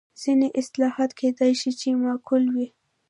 ځینې اصلاحات کېدای شي چې معقول وي.